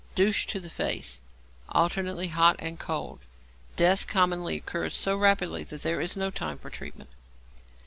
Douche to the face, alternately hot and cold. Death commonly occurs so rapidly that there is no time for treatment.